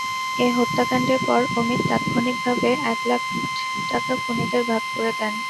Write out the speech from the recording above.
এ হত্যাকাণ্ডের পর অমিত তাৎক্ষণিকভাবে এক লাখ টাকা খুনিদের ভাগ করে দেন।